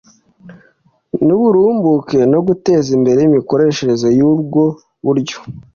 n uburumbuke no guteza imbere imikoreshereze y ubwo buryo